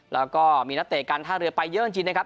แล้วก็มีนักเตะการท่าเรือไปเยอะจริงนะครับ